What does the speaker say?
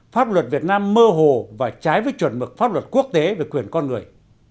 pháp luật việt nam mơ hồ và trái với chuẩn mực pháp luật quốc tế về quyền con người